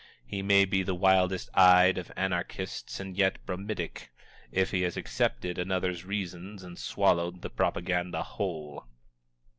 He may be the wildest eyed of Anarchists and yet bromidic, if he has accepted another's reasons and swallowed the propaganda whole.